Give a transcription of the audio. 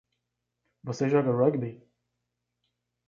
Você joga rugby?